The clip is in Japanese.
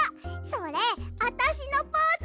それあたしのポーズ！